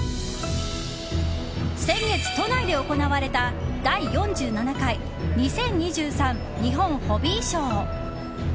先月、都内で行われた第４７回２０２３日本ホビーショー。